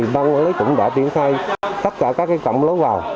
bang quản lý cũng đã triển khai tất cả các trọng lối vào